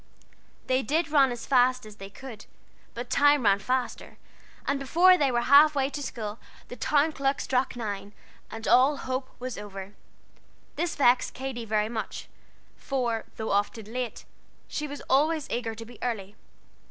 They did run as fast as they could, but time ran faster, and before they were half way to school the town clock struck nine, and all hope was over. This vexed Katy very much; for, though often late, she was always eager to be early.